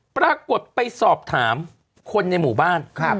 ปรากฏไปสอบถามคนในหมู่บ้าน